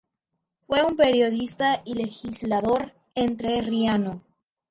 Fue un periodista y legislador entrerriano.